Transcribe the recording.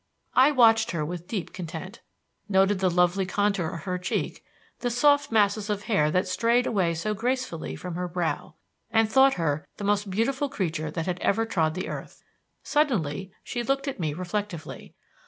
I watched her with deep content: noted the lovely contour of her cheek, the soft masses of hair that strayed away so gracefully from her brow, and thought her the most wonderful creature that had ever trod the earth. Suddenly she looked at me reflectively.